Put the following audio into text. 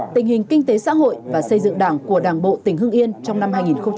tình hình kinh tế xã hội và xây dựng đảng của đảng bộ tỉnh hưng yên trong năm hai nghìn một mươi chín